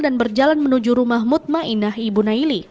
dan berjalan menuju rumah mutma inah ibu naili